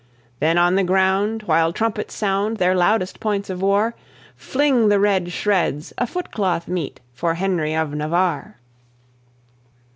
Then on the ground, while trumpets sound their loudest points of war, Fling the red shreds, a footcloth meet for Henry of Navarre.